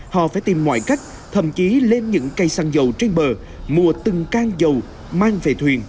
họ phải tìm mọi cách thậm chí lên những cây xăng dầu trên bờ mùa từng can dầu mang về thuyền